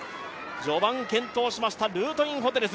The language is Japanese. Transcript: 序盤、健闘しましたルートインホテルズ。